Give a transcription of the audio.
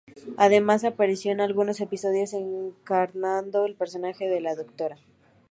Además apareció en algunos episodios encarnando el personaje de la "Dra.